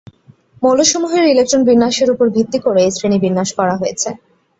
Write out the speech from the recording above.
মৌলসমূহের ইলেকট্রন বিন্যাসের উপর ভিত্তি করে এই শ্রেণী বিন্যাস করা হয়েছে।